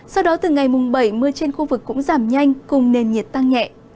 sau đó từ ngày mùng bảy mưa trên khu vực cũng giảm nhanh cùng nền nhiệt tăng nhẹ